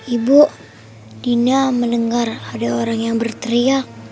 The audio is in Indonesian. ibu dina mendengar ada orang yang berteriak